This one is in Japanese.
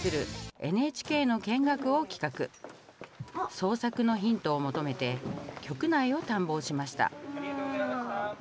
創作のヒントを求めて局内を探訪しました。